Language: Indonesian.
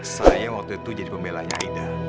saya waktu itu jadi pembelanya aida